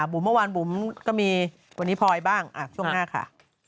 เมื่อวานบุ๋มก็มีวันนี้พลอยบ้างช่วงหน้าค่ะ